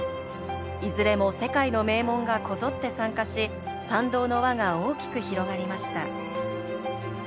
いずれも世界の名門がこぞって参加し賛同の輪が大きく広がりました。